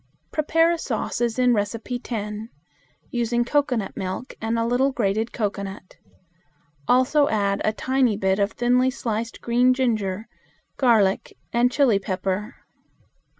Prepare a sauce as in No. 10, using cocoanut milk and a little grated cocoanut. Also add a tiny bit of thinly sliced green ginger, garlic, and chili pepper.